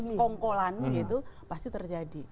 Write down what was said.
kekongkolan gitu pasti terjadi